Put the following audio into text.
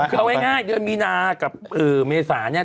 คือเอาง่ายเดือนมีนากับเมษาเนี่ย